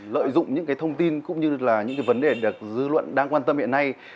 lợi dụng những thông tin cũng như những vấn đề được dư luận đáng quan tâm hiện nay